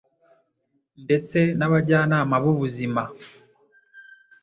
ndetse n’abajyanama b’ubuzima.